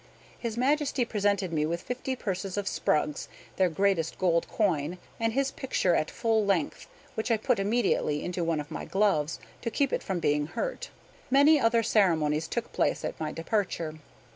His Majesty presented me with fifty purses of sprugs (their greatest gold coin) and his picture at full length, which I put immediately into one of my gloves, to keep it from being hurt. Many other ceremonies took place at my departure.